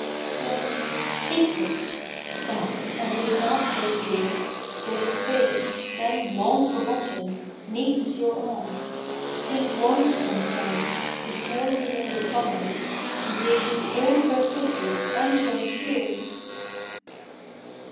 Yet, take it ! Ah ! and if in after years This page, then long forgotten, meets your eye. Think once on one, before you lay it by, Who gave you all her kisses and her tears